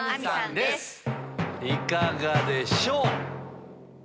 いかがでしょう？